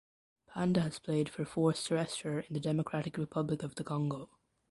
Panda has played for Force Terrestre in the Democratic Republic of the Congo.